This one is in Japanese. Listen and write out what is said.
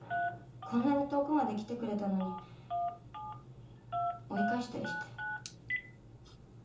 こんなに遠くまで来てくれたのに追い返したりして。